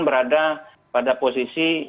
berada pada posisi